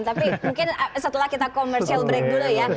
tapi mungkin setelah kita commercial break dulu ya